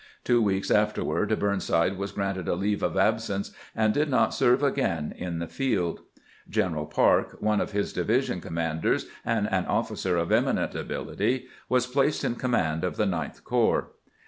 Two weeks afterward Burnside was granted a leave of absence, and did not serve again in the field. General Parke, one of his division com manders, and an officer of eminent ability, was placed in command of the Ninth Corps.